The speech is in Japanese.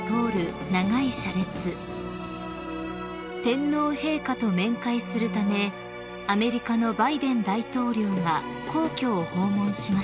［天皇陛下と面会するためアメリカのバイデン大統領が皇居を訪問しました］